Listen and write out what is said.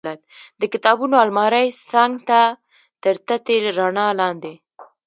د کتابونو المارۍ څنګ ته تر تتې رڼا لاندې.